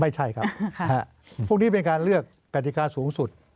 ไม่ใช่ครับพวกนี้เป็นการเลือกกฎิกาสูงสุด